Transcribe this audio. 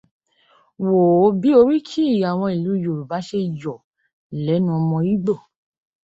Wò ó bí oríkì àwọn ìlú Yorùbá ṣe yọ̀ lẹ́nu ọmọ Ígbò.